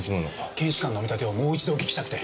検視官のお見立てをもう一度お聞きしたくて。